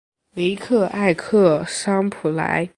维克埃克桑普莱。